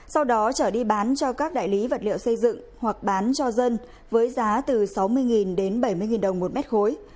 sau đó trở đi bán cho các đại lý vật liệu xây dựng hoặc bán cho dân với giá từ sáu mươi đến bảy mươi đồng một mét khối